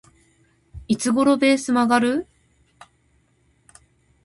いつ頃ベース曲がる？